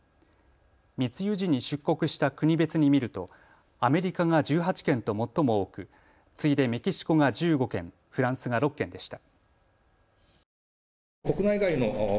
密輸時に出国した国別に見るとアメリカが１８件と最も多く次いでメキシコが１５件、フランスが６件でした。